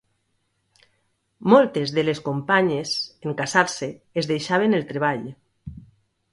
Moltes de les companyes, en casar-se, es deixaven el treball.